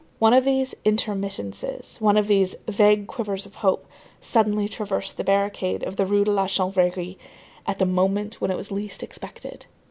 One of these intermittences, one of these vague quivers of hope suddenly traversed the barricade of the Rue de la Chanvrerie at the moment when it was least expected.